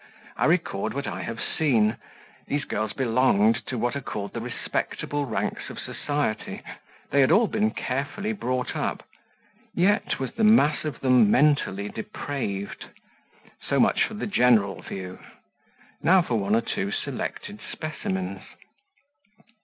I record what I have seen: these girls belonged to what are called the respectable ranks of society; they had all been carefully brought up, yet was the mass of them mentally depraved. So much for the general view: now for one or two selected specimens.